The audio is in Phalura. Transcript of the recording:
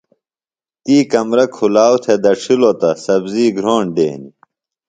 تی کمرہ کُھلاؤ تھےۡ دڇِھلوۡ تہ سبزی گھرونڈ دینیۡ۔